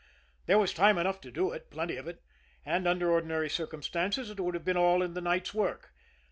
There was time enough to do it, plenty of it and under ordinary circumstances it would have been all in the night's work.